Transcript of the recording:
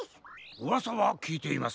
うわさはきいています。